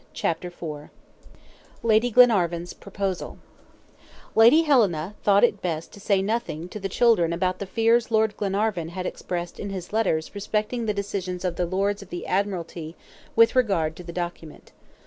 CHAPTER IV LADY GLENARVAN'S PROPOSAL LADY HELENA thought it best to say nothing to the children about the fears Lord Glenarvan had expressed in his letters respecting the decisions of the Lords of the Admiralty with regard to the document.